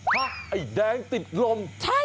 อะไรไอ้แดงติดลม